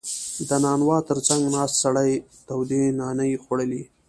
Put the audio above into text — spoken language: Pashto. • د نانوا تر څنګ ناست سړی تودې نانې خوړلې.